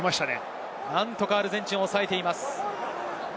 何とかアルゼンチン、おさえています。